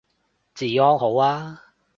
治安好啊